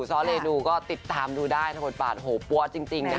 ซ้อเรนูก็ติดตามดูได้ถ้าบทบาทโหปั๊วจริงนะคะ